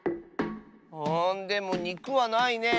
あでもにくはないね。